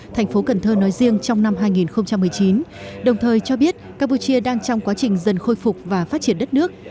thành phố cần thơ nói riêng trong năm hai nghìn một mươi chín đồng thời cho biết campuchia đang trong quá trình dần khôi phục và phát triển đất nước